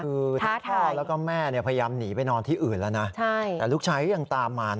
พ่อและแม่พยายามหนีไปนอนที่อื่นแล้วนะแต่ลูกชายยังตามมานะ